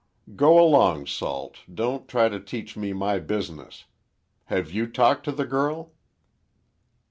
"Go along, Salt, don't try to teach me my business. Have you talked to the girl?"